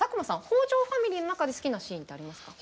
北条ファミリーの中で好きなシーンってありますか？